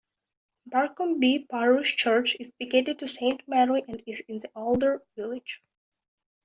Barcombe parish church is dedicated to Saint Mary, and is in the older village.